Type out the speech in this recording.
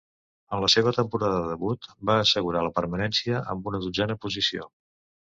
En la seva temporada de debut, va assegurar la permanència amb una dotzena posició.